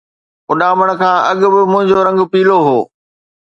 اڏامڻ کان اڳ به منهنجو رنگ پيلو هو